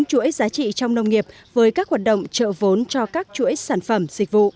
chuỗi giá trị trong nông nghiệp với các hoạt động trợ vốn cho các chuỗi sản phẩm dịch vụ